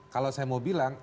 kalau saya mau bilang